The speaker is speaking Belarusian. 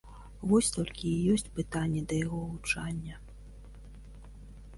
Вось толькі ёсць пытанні да яго гучання.